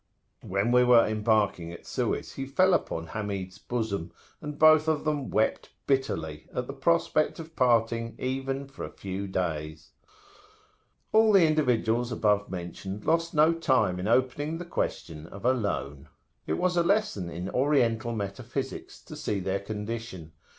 When we were embarking at Suez, he fell upon Hamid's bosom, and both of them wept bitterly, at the prospect of parting even for a few days. All the individuals above mentioned lost no time in opening the question of a loan. It was a lesson in Oriental metaphysics to see their condition.